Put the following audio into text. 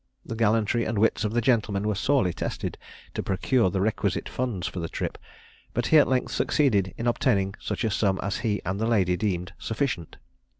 The gallantry and wits of the gentleman were sorely tested to procure the requisite funds for the trip; but he at length succeeded in obtaining such a sum as he and the lady deemed sufficient.